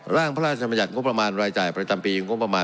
ร่างพรสงบประมาณย์รายจ่ายประจำปี๒๖๖